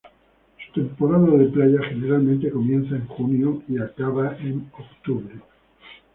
Su temporada de playa generalmente comienza en junio y acaba en octubre.